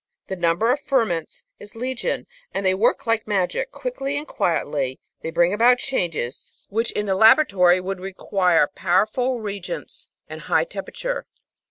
The number of ferments is legion and they work like magic; quickly and quietly they bring about changes which in the laboratory 784 The Outline of Science would require powerful reagents and high temperature.